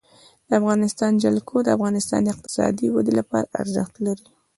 د افغانستان جلکو د افغانستان د اقتصادي ودې لپاره ارزښت لري.